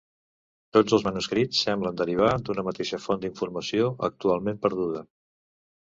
Tots els manuscrits semblen derivar d'una mateixa font d'informació, actualment perduda.